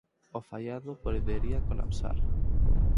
O faiado podería colapsar.